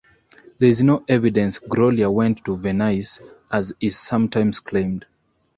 There is no evidence Grolier went to Venice, as is sometimes claimed.